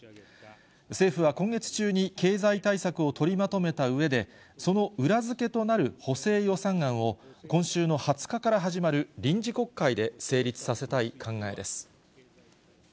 政府は今月中に経済対策を取りまとめたうえで、今週の２０日から始まる臨時国会で成立させたい考えです。